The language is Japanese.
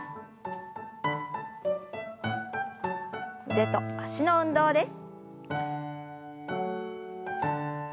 腕と脚の運動です。